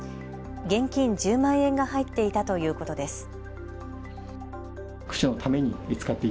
現金１０万円が入っていたということです。